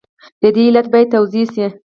د دې علت باید توضیح شي.